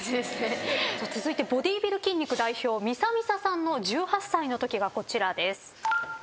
続いてボディビル筋肉代表みさみささんの１８歳のときがこちらです。